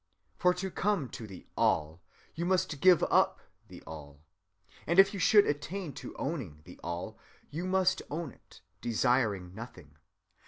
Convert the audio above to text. "For to come to the All you must give up the All. "And if you should attain to owning the All, you must own it, desiring Nothing.